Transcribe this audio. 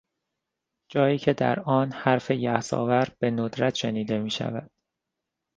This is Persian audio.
جایی که در آن حرف یاس آور به ندرت شنیده میشود